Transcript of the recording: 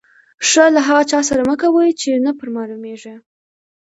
ښه له هغه چا سره مه کوئ، چي نه پر معلومېږي.